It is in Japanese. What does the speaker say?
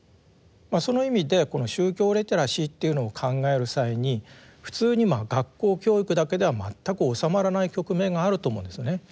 その意味でこの宗教リテラシーというのを考える際に普通に学校教育だけでは全く収まらない局面があると思うんですよね。